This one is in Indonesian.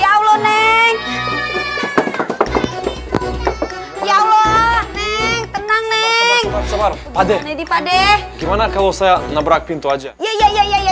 ya allah neng tenang tenang adek adek gimana kalau saya nabrak pintu aja ya ya ya ya ya